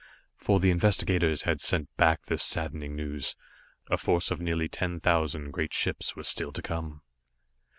For the investigators had sent back this saddening news. A force of nearly ten thousand great ships was still to come.